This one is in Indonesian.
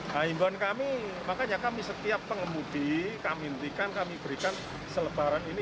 nah imbauan kami makanya kami setiap pengemudi kami hentikan kami berikan selebaran ini